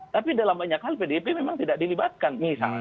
tapi dalam banyak hal pdip memang tidak dilibatkan misalnya